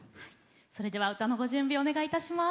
それでは歌のご準備お願いいたします。